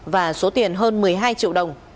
và số tiền hơn một mươi hai triệu đồng